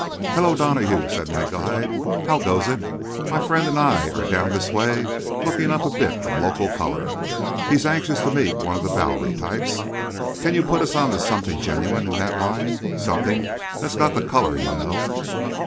"Hallo, Donahue!" said my guide. "How goes it? My friend and I are down this way looking up a bit of local colour. He's anxious to meet one of the Bowery types. Can't you put us on to something genuine in that line—something that's got the colour, you know?"